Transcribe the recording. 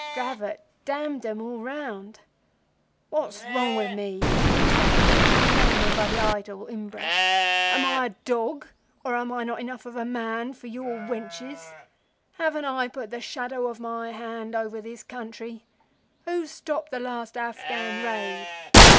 Dravot damned them all round. 'What's wrong with me?' he shouts, standing by the idol Imbra. 'Am I a dog or am I not enough of a man for your wenches? Haven't I put the shadow of my hand over this country? Who stopped the last Afghan raid?